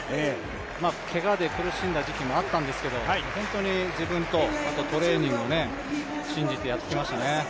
けがで苦しんだ時期もあったんですけど本当に自分とトレーニングを信じてやってきましたね。